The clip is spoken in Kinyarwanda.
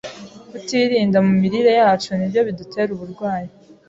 Kutirinda mu mirire yacu ni byo bidutera uburwayi